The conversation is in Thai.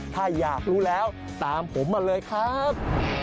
ถ้าอยากรู้แล้วตามผมมาเลยครับ